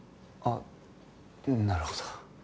あっなるほど。